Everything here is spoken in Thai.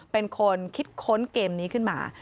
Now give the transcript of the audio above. เป็นคนคิดค้นเกมนี้ขึ้นมา